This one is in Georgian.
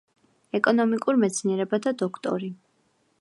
ეკონომიკურ მეცნიერებათა დოქტორი.